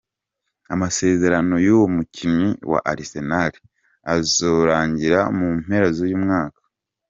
Amasezerano y'uwo mukinyi wa Arsenal azorangira mu mpera z'uyu mwaka.